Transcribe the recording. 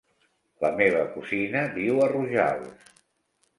La meva cosina viu a Rojals.